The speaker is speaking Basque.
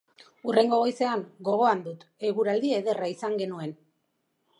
Hurrengo goizean, gogoan dut, eguraldi ederra izan genuen.